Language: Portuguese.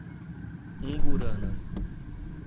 Umburanas